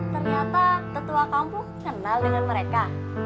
ternyata ketua kampung kenal dengan mereka